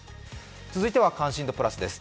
続いては「関心度プラス」です。